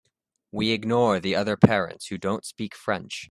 We ignore the other parents who don’t speak French.